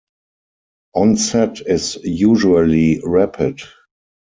Onset is usually rapid.